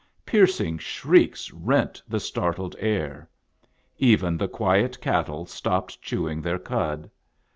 Piercing shrieks rent the startled air. Even the quiet cattle stopped chew ing their cud.